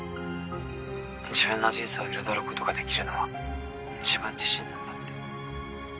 自分の人生を彩ることができるのは自分自身なんだって。